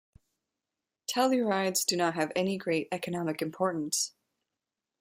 Tellurides do not have any great economic importance.